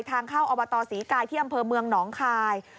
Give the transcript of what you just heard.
ทางเข้าอบตศรีกายที่อำเภอเมืองหนองคาย